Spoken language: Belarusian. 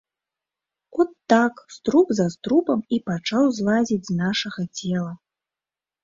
От так струп за струпам і пачаў злазіць з нашага цела.